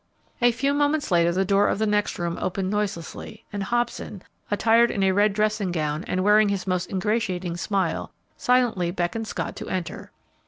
A few moments later the door of the next room opened noiselessly and Hobson, attired in a red dressing gown and wearing his most ingratiating smile, silently beckoned Scott to enter.